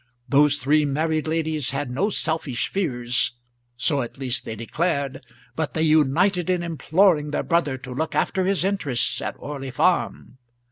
Those three married ladies had no selfish fears so at least they declared, but they united in imploring their brother to look after his interests at Orley Farm.